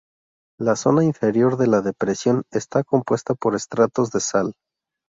La zona inferior de la depresión está compuesta por estratos de sal.